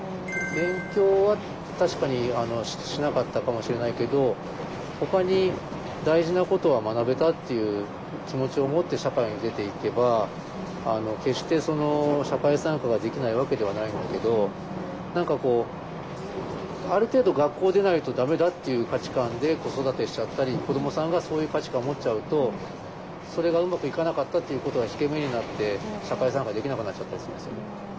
勉強は確かにしなかったかもしれないけどほかに大事なことは学べたっていう気持ちを持って社会に出ていけば決して社会参加ができないわけではないんだけど何かこうある程度学校を出ないと駄目だっていう価値観で子育てしちゃったり子どもさんがそういう価値観を持っちゃうとそれがうまくいかなかったっていうことが引け目になって社会参加できなくなっちゃったりするんですよね。